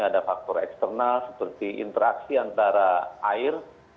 ada faktor eksternal seperti interaksi antara air